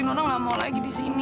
nona gak mau lagi disini